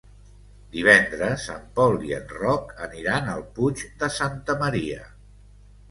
Divendres en Pol i en Roc aniran al Puig de Santa Maria.